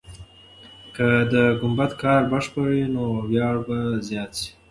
که د ګمبد کار بشپړ سي، نو ویاړ به زیات سي.